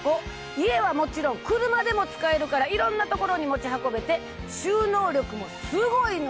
家はもちろん車でも使えるからいろんな所に持ち運べて収納力もすごいのよ。